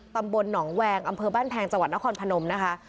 ตำบลหนองแวงอำเภอบ้านแพงจังหวัดนครพนมนะคะ